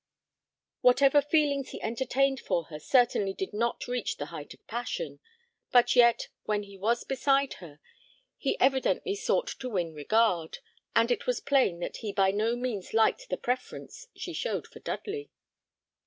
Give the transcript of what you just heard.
Whatever feelings he entertained for her certainly did not reach the height of passion; but yet, when he was beside her, he evidently sought to win regard, and it was plain that he by no means liked the preference she showed for Dudley.